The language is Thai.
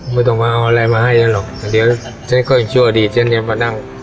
ไม่ต้องมาเอาอะไรมาให้ฉันหรอกแต่เดี๋ยวฉันก็ยังชั่วดีฉันจะมานั่ง